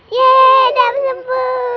yeay udah sembuh